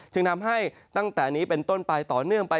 ทำให้ตั้งแต่นี้เป็นต้นไปต่อเนื่องไป